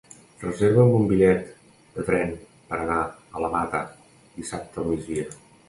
Reserva'm un bitllet de tren per anar a la Mata dissabte al migdia.